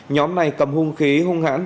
nhóm này cầm hung khí hung hãn